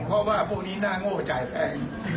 เพราะว่าพวกนี้น่าโง่จ่ายแสน